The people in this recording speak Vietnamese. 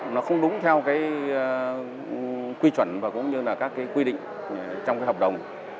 nó không đúng theo quy chuẩn và các quy định trong hợp đồng